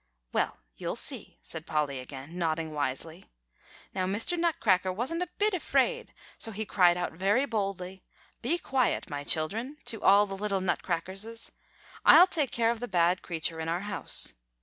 "Well, you'll see," said Polly again, nodding wisely. "Now, Mr. Nutcracker wasn't a bit afraid; so he cried out very boldly, 'Be quiet, my children,' to all the little Nutcrackerses; 'I'll take care of the bad creature in our house.